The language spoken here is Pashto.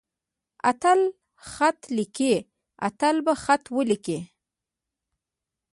اتل خط ليکي. اتل به خط وليکي.